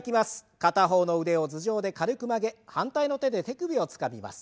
片方の腕を頭上で軽く曲げ反対の手で手首をつかみます。